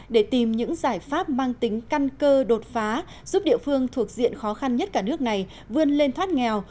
để tìm những giải pháp mang tính căn cơ đột phá giúp địa phương thuộc diện khó khăn nhất cả nước này vươn lên thoát nghèo